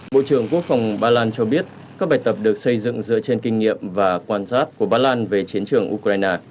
bộ trưởng quốc phòng ba lan cho biết các bài tập được xây dựng dựa trên kinh nghiệm và quan sát của ba lan về chiến trường ukraine